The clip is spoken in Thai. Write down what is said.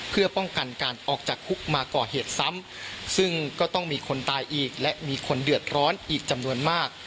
เพื่อป้องกันการออกจากคุกมาก่อเหตุซ้ำซึ่งก็ต้องมีคนตายอีกและมีคนเดือดร้อนอีกจำนวนมาก